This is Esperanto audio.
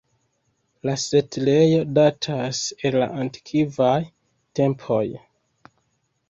La setlejo datas el la antikvaj tempoj.